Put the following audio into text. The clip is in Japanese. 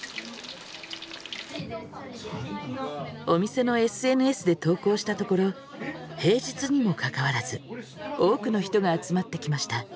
お店のＳＮＳで投稿したところ平日にもかかわらず多くの人が集まってきました。